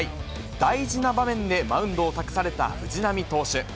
大事な場面でマウンドを託された藤浪投手。